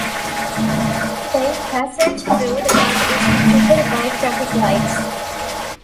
Today passage through the gut is controlled by traffic lights.